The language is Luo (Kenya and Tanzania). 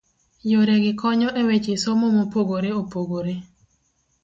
Yore gi konyo e weche somo mopogore opogore.